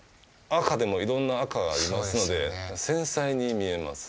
赤でも色んな赤がありますので繊細に見えます